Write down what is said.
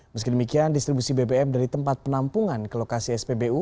meskidemikian distribusi bbm dari tempat penampungan ke lokasi spbu